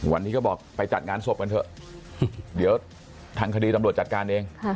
วันนี้ก็บอกไปจัดงานศพกันเถอะเดี๋ยวทางคดีตำรวจจัดการเอง